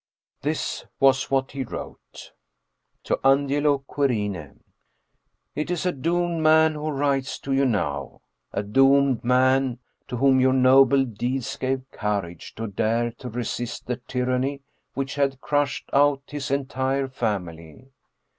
This was what he wrote :" To Angela Querine: It is a doomed man who writes to you now, a doomed man to whom your noble deeds gave courage to dare to resist the tyranny which had crushed out his entire family.